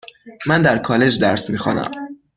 من در کالج درس میخوانم.